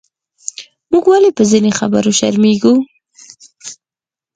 موږ ولې پۀ ځینو خبرو شرمېږو؟